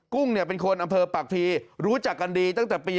กุ้งเป็นคนอำเภอปากพีรู้จักกันดีตั้งแต่ปี๒๕